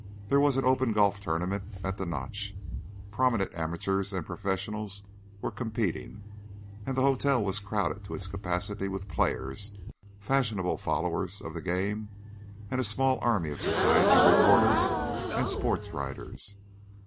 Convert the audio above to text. There was an open golf tournament at the Notch, prominent amateurs and professionals were competing, and the hotel was crowded to its capacity with players, fashionable followers of the game and a small army of society reporters and sport writers.